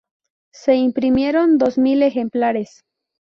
Se imprimieron dos mil ejemplares.